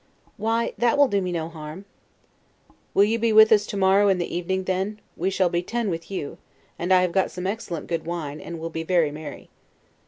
Why, that will do me no harm. Englishman. Will you be with us to morrow in the evening, then? We shall be ten with you; and I have got some excellent good wine; and we'll be very merry.